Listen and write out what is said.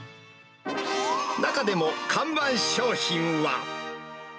中でも、看板商品は。